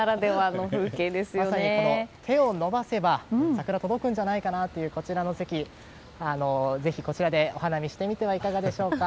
まさに手を伸ばせば桜が届くんじゃないかなというこちらの席、ぜひこちらでお花見してはいかがでしょうか。